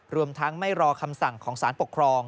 รวมทั้งไม่รอคำสั่งของสารปกครอง